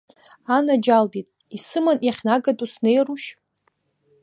Анаџьалбеит, исыман иахьнагатәу снеирушь?